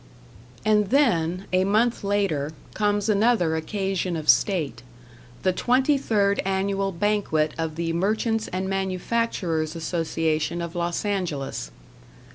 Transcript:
And then, a month later, conies another occasion of state the twenty third Annual Banquet. the Merchants' and Manufacturers' Association of Los Angeles.